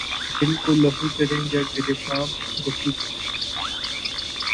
دل کو لہو کریں یا گریباں رفو کریں